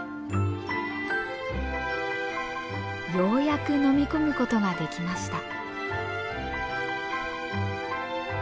ようやく飲み込むことができました。